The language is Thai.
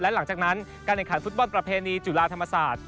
หลังจากนั้นการแข่งขันฟุตบอลประเพณีจุฬาธรรมศาสตร์